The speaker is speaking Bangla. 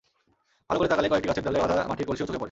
ভালো করে তাকালে কয়েকটি গাছের ডালে বাঁধা মাটির কলসিও চোখে পড়ে।